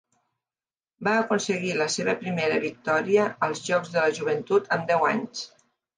Va aconseguir la seva primera victòria als Jocs de la Joventut amb deu anys.